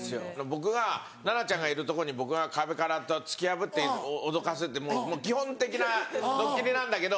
僕が奈々ちゃんがいる所に僕が壁から突き破って脅かすってもう基本的なドッキリなんだけど。